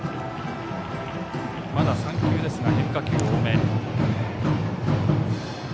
まだ３球ですが変化球多め。